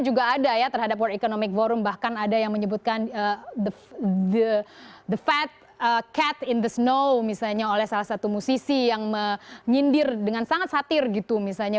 juga ada ya terhadap world economic forum bahkan ada yang menyebutkan the fed cat in the snow misalnya oleh salah satu musisi yang menyindir dengan sangat satir gitu misalnya